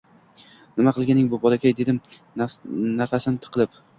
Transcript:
— Nima qilganing bu, bolakay! — dedim nafasim tiqilib.